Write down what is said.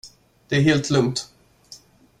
Det är helt lugnt!